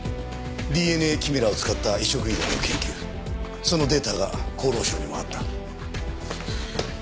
ＤＮＡキメラを使った移植医療の研究そのデータが厚労省にもあった。